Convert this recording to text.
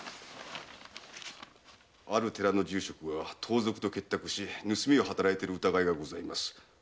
「ある寺の住職は盗賊と結託し盗みを働いている疑いがございます。